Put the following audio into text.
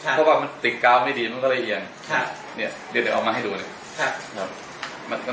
เพราะว่ามันติดกล้าวไม่ดีมันก็เลยเอียงเนี่ยเดี๋ยวเดี๋ยวเอามาให้ดูหน่อย